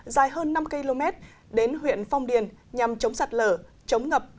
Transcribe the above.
dài hơn năm km đến huyện phong điền nhằm chống sạt lở chống ngập